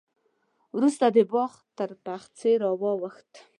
وروسته د باغ تر پخڅې واوښت.